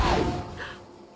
あっ。